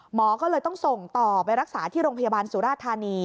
หมอก็เลยต้องส่งต่อไปรักษาที่โรงพยาบาลสุราธานี